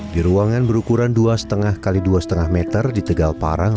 di ruangan berukuran dua lima x dua lima meter di tegal parang